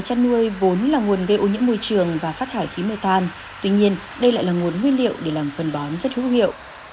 chất nuôi vốn là nguồn gây ô nhiễm môi trường và phát thải khí mê tan tuy nhiên đây lại là nguồn nguyên liệu để làm phân bón rất hữu hiệu